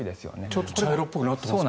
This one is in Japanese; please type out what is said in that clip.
ちょっと茶色っぽくなってます。